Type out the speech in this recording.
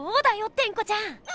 テンコちゃん。